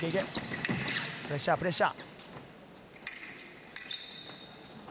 プレッシャー、プレッシャー。